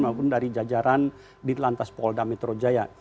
maupun dari jajaran di telantas polda metro jaya